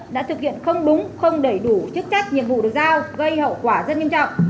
đã thực hiện không đúng không đầy đủ chức trách nhiệm vụ được giao gây hậu quả rất nghiêm trọng